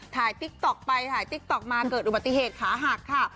ติ๊กต๊อกไปถ่ายติ๊กต๊อกมาเกิดอุบัติเหตุขาหักค่ะ